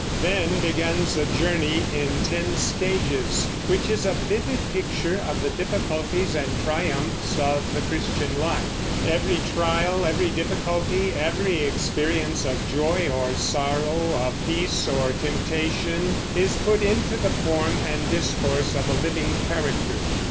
Then begins a journey in ten stages, which is a vivid picture of the difficulties and triumphs of the Christian life. Every trial, every difficulty, every experience of joy or sorrow, of peace or temptation, is put into the form and discourse of a living character.